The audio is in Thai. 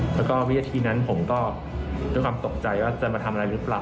แล้วก็วินาทีนั้นผมก็ด้วยความตกใจว่าจะมาทำอะไรหรือเปล่า